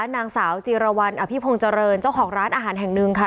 นางสาวจีรวรรณอภิพงศ์เจริญเจ้าของร้านอาหารแห่งหนึ่งค่ะ